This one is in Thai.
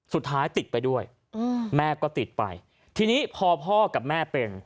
สุดท้ายติดไปด้วยแม่ก็ติดไปทีนี้พ่อพ่อกับแม่เป็น